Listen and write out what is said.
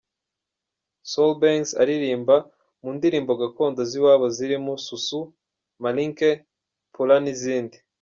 Soul Bang’s aririmba mu ndirimbo gakondo z’iwabo zirimo soussou, malinké, poular n’izindi.